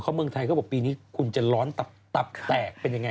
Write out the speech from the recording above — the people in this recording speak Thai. เข้าเมืองไทยเขาบอกปีนี้คุณจะร้อนตับแตกเป็นอย่างไร